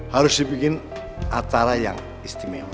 harus dibikin acara yang istimewa